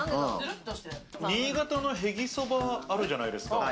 新潟のへぎそばあるじゃないですか。